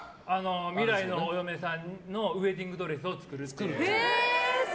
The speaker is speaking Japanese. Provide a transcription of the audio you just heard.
未来のお嫁さんのウェディングドレスを作る。